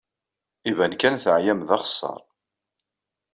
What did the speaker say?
Iban kan teɛyam d axeṣṣar.